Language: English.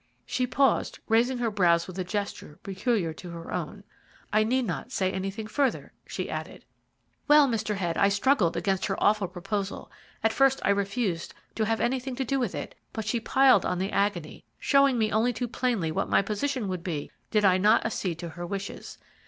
She paused, raising her brows with a gesture peculiarly her own. 'I need not say anything further,' she added. "Well, Mr. Head, I struggled against her awful proposal. At first I refused to have anything to do with it, but she piled on the agony, showing me only too plainly what my position would be did I not accede to her wishes.